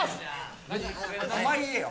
お前言えよ。